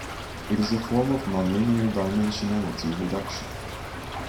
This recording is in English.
It is a form of non-linear dimensionality reduction.